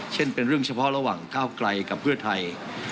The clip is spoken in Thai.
เช่นเป็นเรื่องเฉพาะระหว่างก้าวไกลกับเพื่อไทย